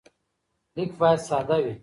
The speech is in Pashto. لیک باید ساده وي.